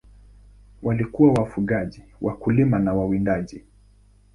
Walikuwa wafugaji, wakulima na wawindaji.